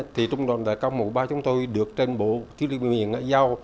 thì trung đoàn đại cao mũ ba chúng tôi được trên bộ thứ lý miền giao